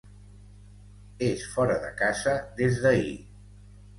És fora de casa des d'ahir.